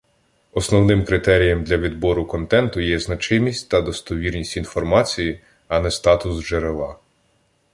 Основним критерієм для відбору контенту є значимість та достовірність інформації, а не статус джерела.